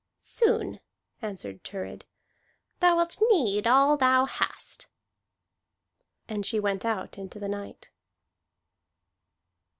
"Soon," answered Thurid, "thou wilt need all thou hast." And she went out into the night.